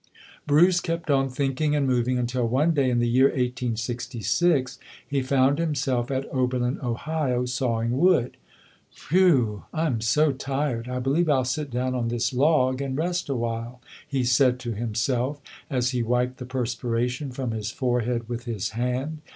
Bruce kept on thinking and moving until one day, in the year 1866, he found himself at Ober lin, Ohio, sawing wood. "Whew! I am so tired, I believe I'll sit down on this log and rest a while", he said to himself, as he wiped the perspiration from his forehead with his hand.